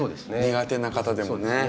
苦手な方でもね。